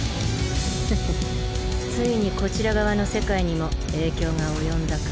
フフフついにこちら側の世界にも影響が及んだか。